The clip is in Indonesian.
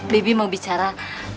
baby mau bicara